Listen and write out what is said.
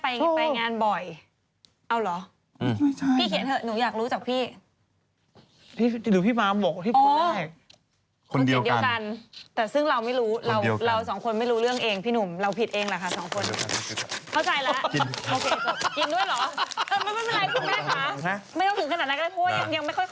อันนี้หมายถึงคุณแม่ไปงานบ่อย